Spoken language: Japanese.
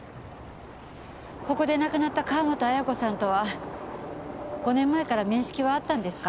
ここで亡くなった川本綾子さんとは５年前から面識はあったんですか？